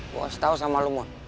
gue masih tau sama lo mon